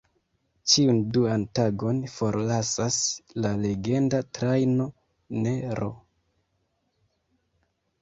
Ĉiun duan tagon forlasas la legenda "Trajno N-ro.